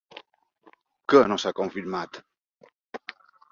Què no s’ha confirmat?